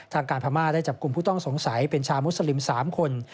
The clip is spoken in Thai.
ทางการพม่าได้จับกลุ่มผู้ต้องสงสัยเป็นชาวมุสลิม๓คน